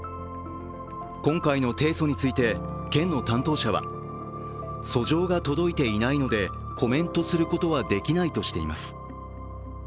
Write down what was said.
今回の提訴について県の担当者は、訴状が届いていないのでコメントすることはできないとしています。